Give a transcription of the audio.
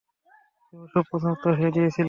তুমি সব প্রশ্নের উত্তর হ্যাঁ দিয়েছিলে।